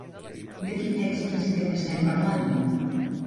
De quin expresident estem parlant?